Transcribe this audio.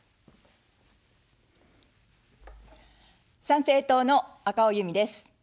参政党の赤尾由美です。